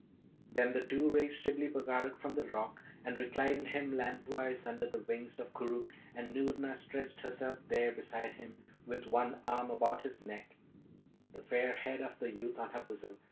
Then the two raised Shibli Bagarag from the rock, and reclined him lengthwise under the wings of Koorookh, and Noorna stretched herself there beside him with one arm about his neck, the fair head of the youth on her bosom.